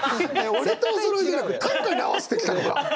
俺とおそろいじゃなくて短歌に合わせてきたのか。